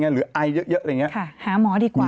หรือไอเยอะแบบนี้ค่ะหาหมอดีกว่า